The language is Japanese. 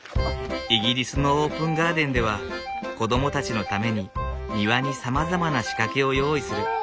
イギリスのオープンガーデンでは子どもたちのために庭にさまざまな仕掛けを用意する。